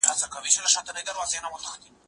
زه به سبا بوټونه پاک کړم؟!